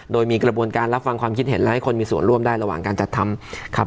โดยมีกระบวนการรับฟังความคิดเห็นและให้คนมีส่วนร่วมได้ระหว่างการจัดทำครับ